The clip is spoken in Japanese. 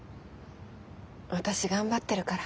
私頑張ってるから。